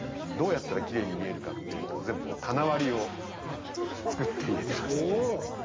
どうやったらきれいに見えるかっていうのを全部棚割りを作って入れてます。